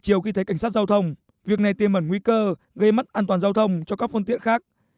chiều khi thấy cảnh sát giao thông việc này tiêm ẩn nguy cơ gây mất an toàn giao thông cho các phương tiện khác